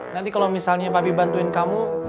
nanti kalau misalnya papi bantuin kamu